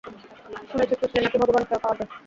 শুনেছি খুজলে নাকি ভগবানকেও পাওয়া যায়।